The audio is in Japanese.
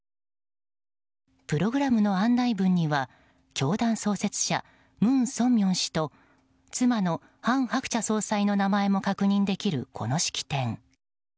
プログラムの案内文には教団創設者、文鮮明氏や妻の韓鶴子総裁の名前も確認できる、この式典。